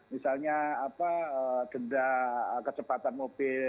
misalnya denda kecepatan mobil